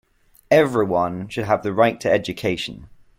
Everyone should have the right to education.